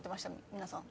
皆さん。